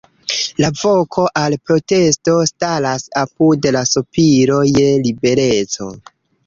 La voko al protesto staras apud la sopiro je libereco.